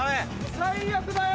最悪だよ！